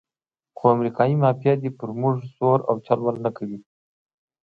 خو امریکایي مافیا دې پر موږ زور او چل ول نه کوي.